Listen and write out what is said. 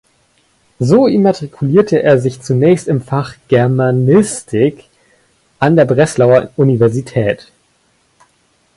So immatrikulierte er sich zunächst im Fach Germanistik an der Breslauer Universität.